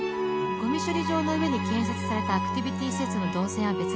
「ゴミ処理場の上に建設されたアクティビティ施設の導線は別なので」